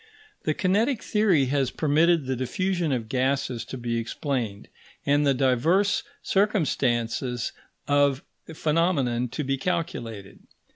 The kinetic theory has permitted the diffusion of gases to be explained, and the divers circumstances of the phenomenon to be calculated.